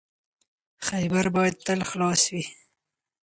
خیبر باید تل خلاص وي.